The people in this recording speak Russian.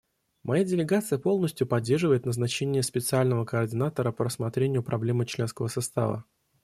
Моя делегация полностью поддерживает назначение специального координатора по рассмотрению проблемы членского состава.